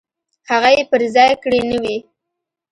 هغه یې پر ځای کړې نه وي.